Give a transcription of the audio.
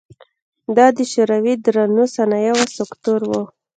دا د شوروي د درنو صنایعو سکتور و.